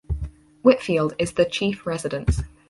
Whitfield is the chief residence.